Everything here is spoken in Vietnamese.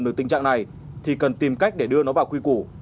được tình trạng này thì cần tìm cách để đưa nó vào quy củ